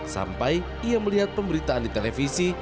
sampai ia melihat pemberitaan di televisi